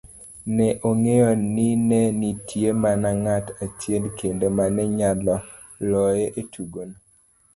Ne ong'eyo nine nitie mana ng'at achiel kende mane nyalo loye etugono.